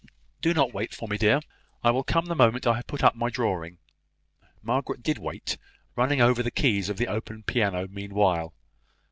Do not wait for me, dear. I will come the moment I have put up my drawing." Margaret did wait, running over the keys of the open piano meanwhile.